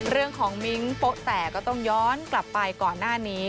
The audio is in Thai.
เรื่องของมิ้งโป๊ะแตกก็ต้องย้อนกลับไปก่อนหน้านี้